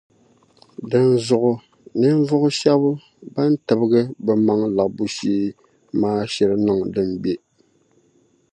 Dinzuɣu ninvuɣu shɛba ban tibigi bɛ maŋ’ labbu shee maa shiri niŋ din be.